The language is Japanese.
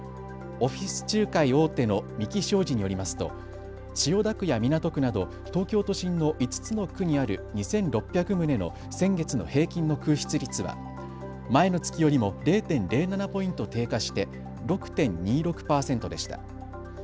オフィス仲介大手の三鬼商事によりますと千代田区や港区など東京都心の５つの区にある２６００棟の先月の平均の空室率は前の月よりも０．０７ポイント低下して６．２６％でした。